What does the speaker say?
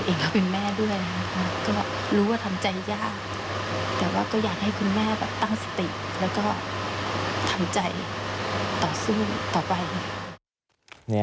แล้วก็ทำใจต่อสู้ต่อไป